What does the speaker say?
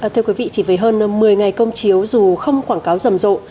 thưa quý vị chỉ với hơn một mươi ngày công chiếu dù không quảng cáo rầm rộ